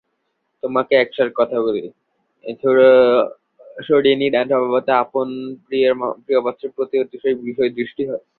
তোমাকে এক সার কথা কহি, স্বৈরিণীরা স্বভাবত আপন প্রিয়ের প্রিয়পাত্রের প্রতি অতিশয় বিষদৃষ্টি হয়।